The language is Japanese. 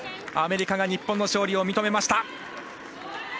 アメリカが日本の勝利を認めました。